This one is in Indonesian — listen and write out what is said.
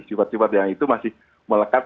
sifat sifat yang itu masih melekat